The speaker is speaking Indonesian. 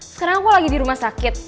sekarang aku lagi di rumah sakit